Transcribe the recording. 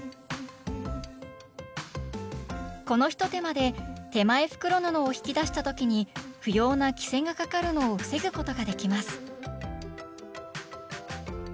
このひと手間で手前袋布を引き出した時に不要な「きせ」がかかるのを防ぐことができます